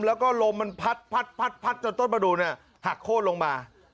แล้วก็ลมมันพัดจนต้นประดูนหักโค้นลงมา